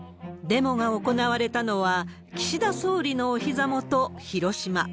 デモが行われたのは、岸田総理のおひざ元、広島。